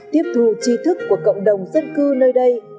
tiếp thu chi thức của cộng đồng dân cư nơi đây